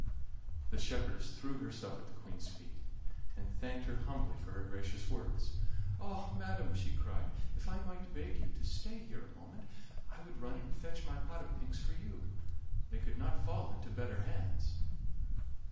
The shepherdess threw herself at the Queen's feet, and thanked her humbly for her gracious words. "Ah! madam," she cried, "if I might beg you to stay here a moment I would run and fetch my pot of pinks for you they could not fall into better hands."